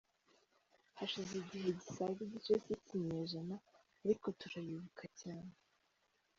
Hashize igihe gisaga igice cy’ikinyejana, ariko turabibuka cyane.